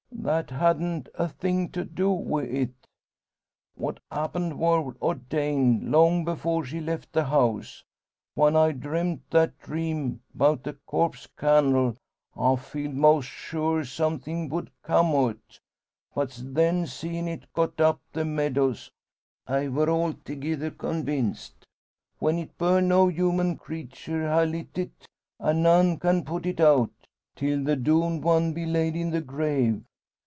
"That hadn't a thing to do wi' it. What happened wor ordained, long afore she left the house. When I dreamed that dream 'bout the corpse candle, I feeled most sure somethin' would come o't; but then seein' it go up the meadows, I wor' althegither convinced. When it burn no human creetur' ha' lit it; an' none can put it out, till the doomed one be laid in the grave.